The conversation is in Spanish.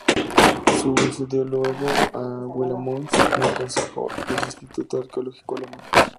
Sucedió luego a Wilamowitz-Moellendorff en el Consejo del Instituto Arqueológico Alemán.